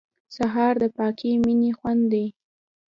سهار د پاکې مینې خوند دی.